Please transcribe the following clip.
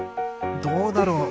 どうだろう？